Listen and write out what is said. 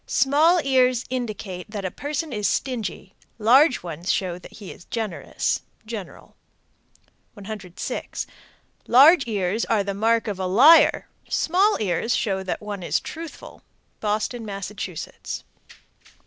Small ears indicate that a person is stingy. Large ones show that he is generous. General. 106. Large ears are a mark of a liar. Small ears show that one is truthful. Boston, Mass. 107.